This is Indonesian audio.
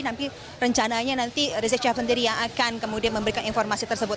nanti rencananya nanti rizik syihab sendiri yang akan kemudian memberikan informasi tersebut